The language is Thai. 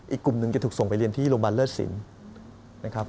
อีกกลุ่มนึงจะถูกส่งไปเรียนที่โรงบาลเลอร์ศิลป์